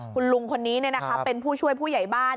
คุณลุงคนนี้เป็นผู้ช่วยผู้ใหญ่บ้าน